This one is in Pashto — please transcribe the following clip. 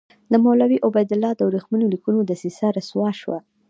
د مولوي عبیدالله د ورېښمینو لیکونو دسیسه رسوا شوه.